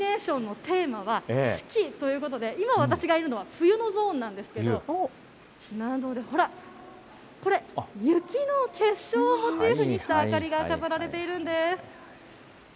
イルミネーションのテーマは四季ということで、今私がいるのは、冬のゾーンなんですけれども、なので、ほら、これ、雪の結晶をモチーフにした明かりが飾られているんです。